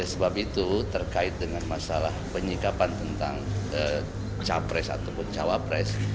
sebab itu terkait dengan masalah penyikapan tentang capres ataupun cawapres